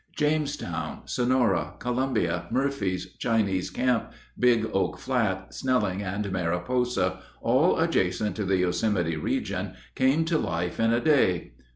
Jamestown, Sonora, Columbia, Murphys, Chinese Camp, Big Oak Flat, Snelling, and Mariposa, all adjacent to the Yosemite region, came to life in a day.